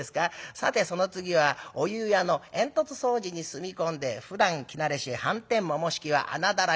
『さてその次はお湯屋の煙突掃除に住み込んでふだん着慣れしはんてんももひきは穴だらけ。